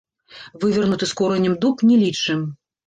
Вывернуты з коранем дуб не лічым.